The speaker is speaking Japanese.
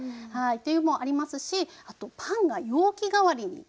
っていうのもありますしあとパンが容器代わりになってる。